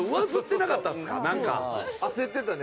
焦ってたね。